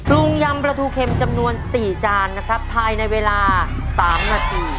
งยำปลาทูเข็มจำนวน๔จานนะครับภายในเวลา๓นาที